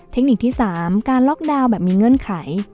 เทคนิคที่๓การล็อกดาวน์แบบมีเงื่อนไข